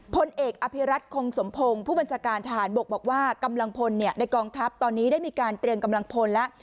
พลเอกอภิรัตคงสมพงศ์ผู้บัญชาการทหารบกบอกว่ากำลังพลในกองทัพตอนนี้ได้มีการเตรียมกำลังพลแล้ว